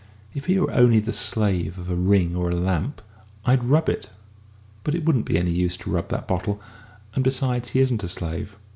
"If he were only the slave of a ring or a lamp, I'd rub it; but it wouldn't be any use to rub that bottle and, besides, he isn't a slave.